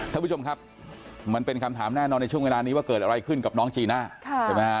ท่านผู้ชมครับมันเป็นคำถามแน่นอนในช่วงเวลานี้ว่าเกิดอะไรขึ้นกับน้องจีน่าใช่ไหมฮะ